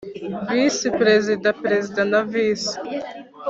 Visi perezida perezida na visi